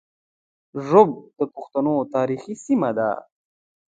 ږوب د پښتنو تاریخي سیمه ده